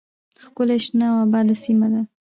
ښکلې شنه او آباده سیمه ده